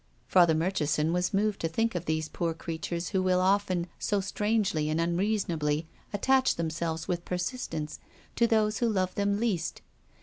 Father Murchison was moved to think of these poor creatures who will often, so strangely and unreasonably, attach themselves with persistence to those who love them least.